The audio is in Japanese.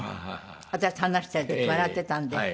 私と話している時笑っていたんで。